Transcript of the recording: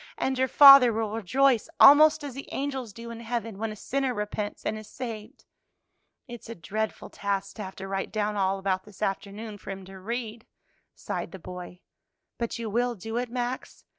"And your father will rejoice almost as the angels do in heaven when a sinner repents and is saved." "It's a dreadful task to have to write down all about this afternoon for him to read," sighed the boy. "But you will do it, Max?